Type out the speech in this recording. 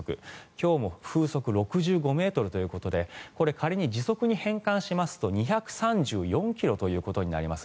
今日も風速６５ｍということで仮に時速に変換しますと２３４ｋｍということになります。